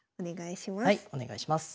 お願いします。